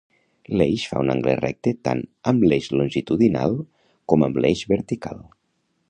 L'eix fa un angle recte tant amb l'eix longitudinal com amb l'eix vertical.